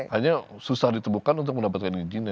hanya susah ditemukan untuk mendapatkan izin